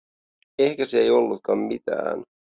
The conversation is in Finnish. Ehkä se ei ollutkaan mitään.